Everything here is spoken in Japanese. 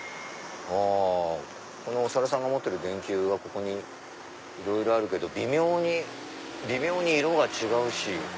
あこのお猿さんが持ってる電球はここにいろいろあるけど微妙に色が違うし。